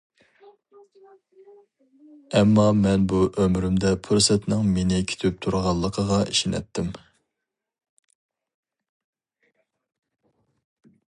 ئەمما مەن بۇ ئۆمرۈمدە پۇرسەتنىڭ مېنى كۈتۈپ تۇرغانلىقىغا ئىشىنەتتىم.